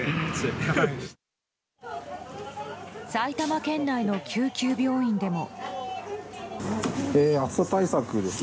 埼玉県内の救急病院でも。